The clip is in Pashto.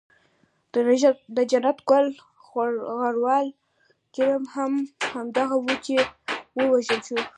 د جنت ګل غروال جرم هم همدغه وو چې و وژل شو.